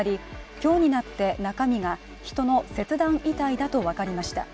今日になって中身が人の切断遺体だと分かりました。